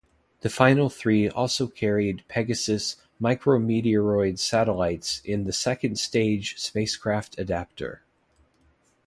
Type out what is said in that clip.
The final three also carried Pegasus micrometeroid satellites in the second stage-spacecraft adapter.